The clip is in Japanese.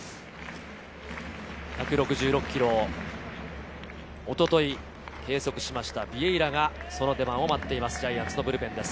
１６６キロをおとといの計測しましたビエイラがその出番を待っています、ジャイアンツのブルペンです。